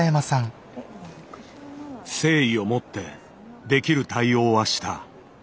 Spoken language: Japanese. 誠意を持ってできる対応はした。